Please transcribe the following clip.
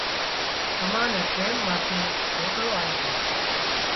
تمان نين ٽيم ماٿي روٽلو آلشي